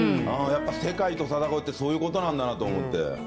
やっぱ世界と戦うってそういうことなんだなと思って。